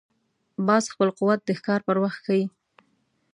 باز خپل قوت د ښکار پر وخت ښيي